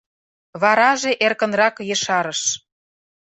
Вараже эркынрак ешарыш: